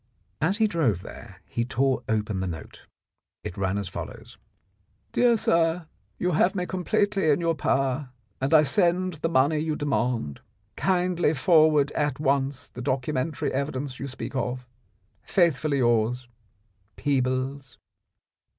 As he drove there he tore open the note. It ran as follows : "Dear Sir, — You have me completely in your power, and I send the money you demand. Kindly forward me at once the documentary evidence you speak of. Faithfully yours, Peebles."